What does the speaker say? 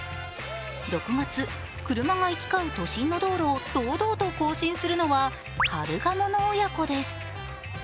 ６月、車が行き交う都心の道路を堂々と更新するのはカルガモの親子です。